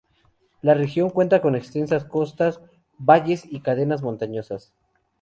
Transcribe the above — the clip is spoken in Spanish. La región cuenta con extensas costas, valles y cadenas montañosas.